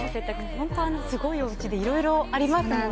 本当すごいおうちでいろいろありますもんね。